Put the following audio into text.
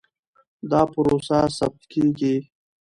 دا پروسه ثبت کېږي.